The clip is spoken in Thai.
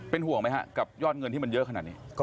ห่วงไหมฮะกับยอดเงินที่มันเยอะขนาดนี้